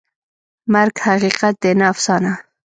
مرګ حقیقت دی، نه افسانه.